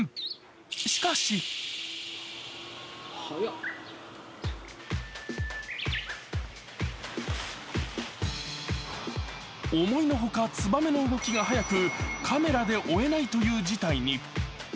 しかし思いのほかツバメの動きが速く、カメラで追えないという事態に。